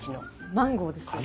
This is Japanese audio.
マンゴーですよね？